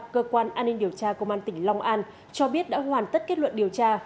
cơ quan an ninh điều tra công an tỉnh long an cho biết đã hoàn tất kết luận điều tra